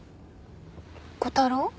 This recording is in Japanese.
小太郎？